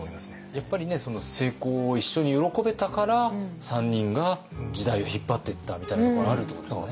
やっぱりその成功を一緒に喜べたから３人が時代を引っ張ってったみたいなところがあるってことですよね。